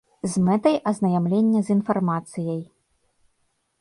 З мэтай азнаямлення з інфармацыяй.